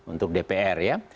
untuk dpr ya